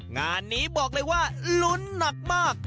งานนี้บอกเลยว่าลุ้นหนักมาก